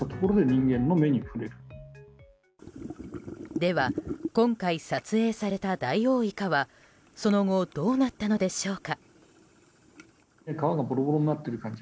では、今回撮影されたダイオウイカはその後どうなったのでしょうか。